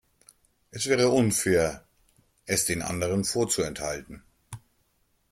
Es wäre unfair, es den anderen vorzuenthalten.